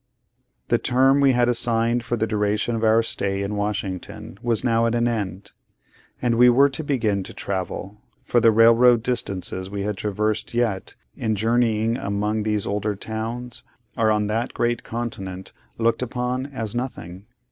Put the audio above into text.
The term we had assigned for the duration of our stay in Washington was now at an end, and we were to begin to travel; for the railroad distances we had traversed yet, in journeying among these older towns, are on that great continent looked upon as nothing.